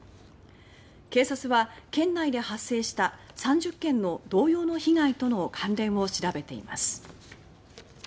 警察は県内で発生した３０件の同様の被害との関連を調べています。